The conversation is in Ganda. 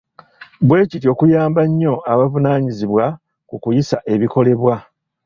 Bwe kityo kuyamba nnyo abavunaanyizibwa ku kuyisa ebikolebwa.